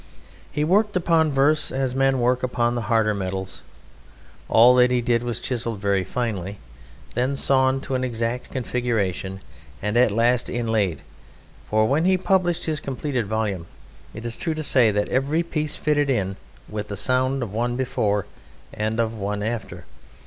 He worked upon verse as men work upon the harder metals; all that he did was chiselled very finely, then sawn to an exact configuration and at last inlaid, for when he published his completed volume it is true to say that every piece fitted in with the sound of one before and of one after.